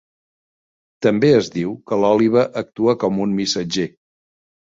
També es diu que l'òliba actua com un missatger.